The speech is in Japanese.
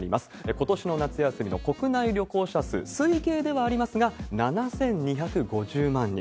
ことしの夏休みの国内旅行者数、推計ではありますが、７２５０万人。